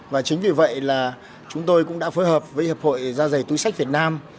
và chính vì vậy là chúng tôi cũng đã phối hợp với hiệp hội da dày túi sách việt nam